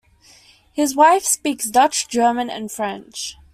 His wife speaks Dutch, German and French.